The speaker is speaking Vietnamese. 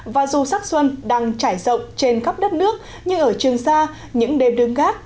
và dù sắc xuân đang trải rộng trên khắp đất nước nhưng ở trường sa những đêm đương gác